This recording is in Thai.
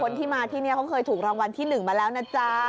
คนที่มาที่นี่เขาเคยถูกรางวัลที่๑มาแล้วนะจ๊ะ